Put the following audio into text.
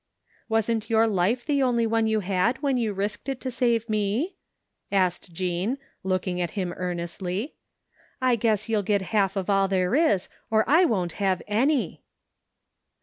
" Wasn't your life the only one you had when you risked it to save me?" asked Jean, looking at him earnestly. " I guess you'll get half of all there is or I won't have a»y."